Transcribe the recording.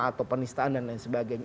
atau penistaan dan lain sebagainya